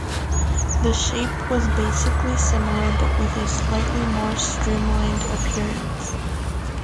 The shape was basically similar but with a slightly more streamlined appearance.